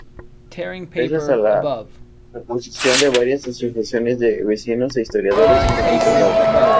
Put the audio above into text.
Gracias a la oposición de varias asociaciones de vecinos e historiadores, fue conservado.